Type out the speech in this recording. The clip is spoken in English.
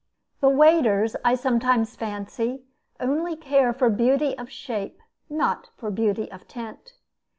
The waders, I sometimes fancy, only care for beauty of shape, not for beauty of tint.